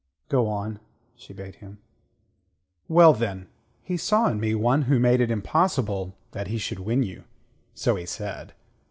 "Go on," she bade him. "Well, then: he saw in me one who made it impossible that he should win you so he said.